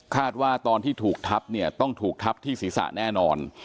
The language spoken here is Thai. ว่าตอนที่ถูกทับเนี่ยต้องถูกทับที่ศีรษะแน่นอน